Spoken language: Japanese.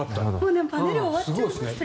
パネル終わっちゃいましたけど。